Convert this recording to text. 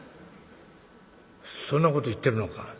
「そんなこと言ってるのか」。